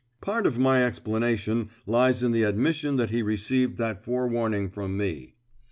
"Part of my explanation lies in the admission that he received that forewarning from me."